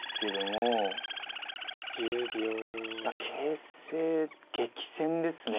いや形勢激戦ですね。